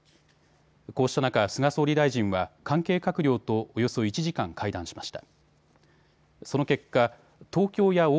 こうした中、菅総理大臣は関係閣僚とおよそ１時間会談しました。